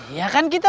ya kan kita